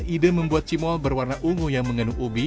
ide membuat cimol berwarna ungu yang mengandung ubi